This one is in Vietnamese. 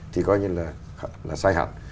thì coi như là sai hẳn